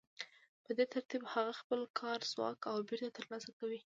په دې ترتیب هغه خپل کاري ځواک بېرته ترلاسه کوي